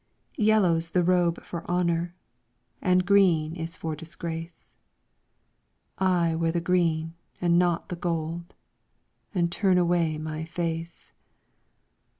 Yellow 's the robe for honour, And green is for disgrace. I wear the green and not the gold, And turn away my face.